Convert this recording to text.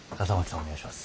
お願いします。